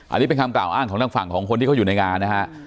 อันนี้เป็นคำกล่าวอ้างของทางฝั่งของคนที่เขาอยู่ในงานนะฮะ